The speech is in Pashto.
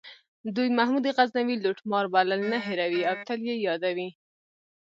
دوی محمود غزنوي لوټمار بلل نه هیروي او تل یې یادوي.